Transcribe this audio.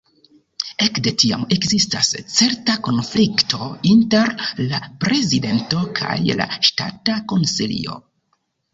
Ekde tiam ekzistas certa konflikto inter la prezidento kaj la Ŝtata Konsilio.